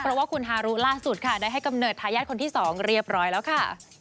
เพราะว่าคุณฮารุล่าสุดค่ะได้ให้กำเนิดทายาทคนที่๒เรียบร้อยแล้วค่ะ